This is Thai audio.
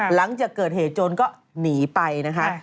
หลังจากเกิดเหตุโจรก็หนีไปนะคะ